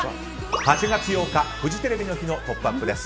８月８日、フジテレビの日の「ポップＵＰ！」です。